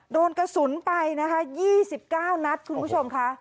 โดนกระสุนไป๒๙นัดคุณผู้ชม